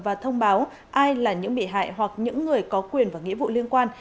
và thông báo ai là những bị hại hoặc những người có quyền và nghĩa vụ liên quan